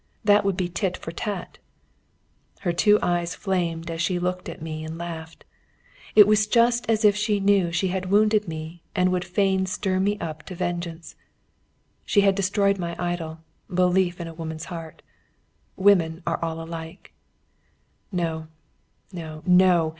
That would be tit for tat. Her two eyes flamed as she looked at me and laughed. It was just as if she knew she had wounded me and would fain stir me up to vengeance. She had destroyed my idol: belief in a woman's heart. Women were all alike! "No, no, no!